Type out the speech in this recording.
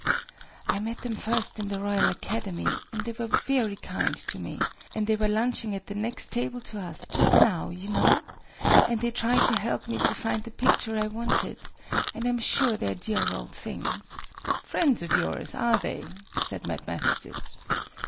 "I met them first in the Royal Academy and they were very kind to me and they were lunching at the next table to us, just now, you know and they tried to help me to find the picture I wanted and I'm sure they're dear old things!" "Friends of yours, are they?" said Mad Mathesis.